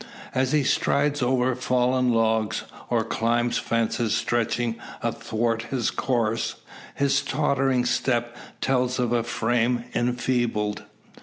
As he strides over fallen logs, or climbs fences stretching athwart his course, his tottering step tells of a frame enfeebled.